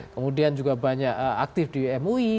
kemudian juga banyak aktif di mui